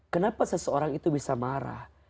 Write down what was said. kenapa seseorang itu bisa marah